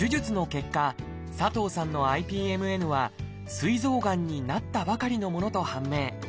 結果佐藤さんのＩＰＭＮはすい臓がんになったばかりのものと判明。